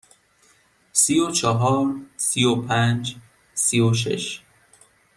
سی و چهار، سی و پنج، سی و شش.